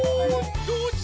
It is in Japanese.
どうぞ。